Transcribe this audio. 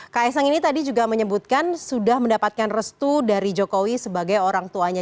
kaisang ini tadi juga menyebutkan sudah mendapatkan restu dari jokowi sebagai orang tuanya